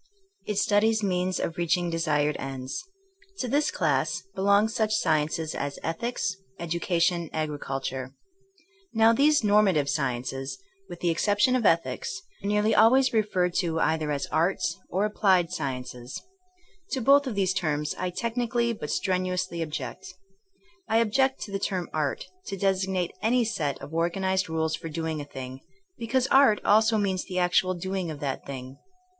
It studies means of reaching desired ends. To this class belong such sciences as ethics, educa tion, agriculture. Now these normative sciences, with the ex 8 THINKINO AS A 80IEN0E ception of ethics, are nearly always referred to either as arts or applied sciences/^ To both of these terms I technically but strenu ously object. I object to the term art^' to designate any set of organized rules for doing a thing, because ''art" also means the actual doing of that thing.